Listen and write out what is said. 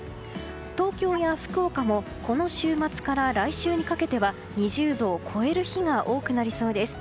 東京や福岡もこの週末から来週にかけては２０度を超える日が多くなりそうです。